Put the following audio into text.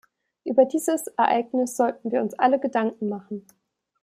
Über dieses Ereignis sollten wir uns alle Gedanken machen.